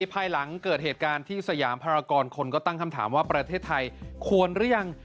ภายหลังเกิดเหตุการณ์ที่สยามภารกรคนก็ตั้งคำถามว่าประเทศไทยควรหรือยัง